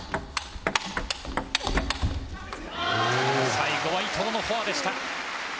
最後は伊藤のフォアでした。